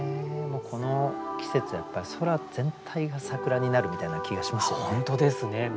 この季節やっぱり空全体が桜になるみたいな気がしますよね。